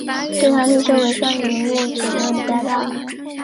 最大特色为双萤幕尺寸加大。